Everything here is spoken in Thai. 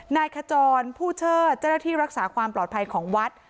นายขจรผู้เชิดเจ้าหน้าที่รักษาความปลอดภัยของวัด